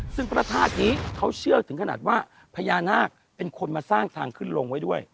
ซึ่งพระธาตุนี้เขาเชื่อถึงขนาดว่าพญานาคเป็นคนมาสร้างทางขึ้นลงไว้ด้วย